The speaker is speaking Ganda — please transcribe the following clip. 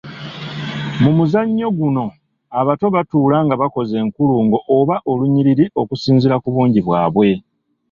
Mu muzannyo guno, abato batuula nga bakoze enkulungo oba olunyiriri okusinziira ku bungi bwabwe.